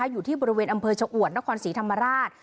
อยู่ที่บริเวณอำเภอชะอวดนครศรีธรรมราช